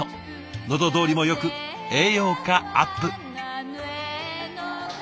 喉通りもよく栄養価アップ。